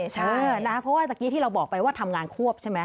เพราะว่าเมื่อกี้ที่เราบอกไปว่าทำงานควบใช่ไหม